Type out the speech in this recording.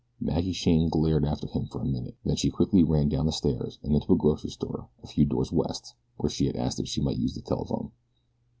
Maggie Shane glared after him for a minute, then she ran quickly down the stairs and into a grocery store a few doors west, where she asked if she might use the telephone.